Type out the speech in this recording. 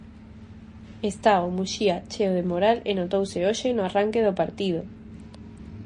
Está o Muxía cheo de moral e notouse hoxe no arranque do partido.